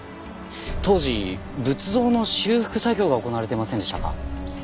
当時仏像の修復作業が行われていませんでしたか？